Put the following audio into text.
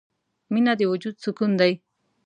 • مینه د وجود سکون دی.